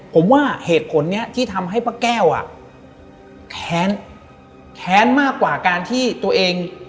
ผมว่าเหตุผลนี้ที่ทำให้ป้าแก้วอ่ะแค้นแค้นมากกว่าการที่ตัวเอง